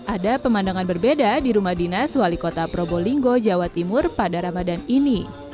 ada pemandangan berbeda di rumah dinas wali kota probolinggo jawa timur pada ramadan ini